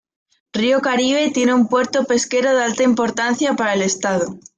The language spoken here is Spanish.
Río Caribe tiene un puerto pesquero de alta importancia para el estado.